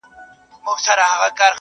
تا پخپله جواب کړي وسیلې دي -